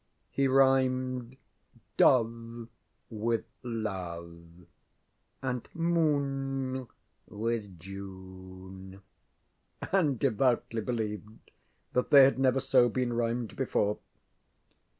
He rhymed ŌĆ£doveŌĆØ with ŌĆ£loveŌĆØ and ŌĆ£moonŌĆØ with ŌĆ£June, ŌĆØ and devoutly believed that they had never so been rhymed before.